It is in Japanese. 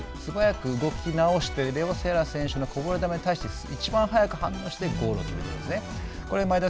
素早く動きなおしてレオセラ選手のこぼれ球に対していちばん速く反応してゴールを決めるんです。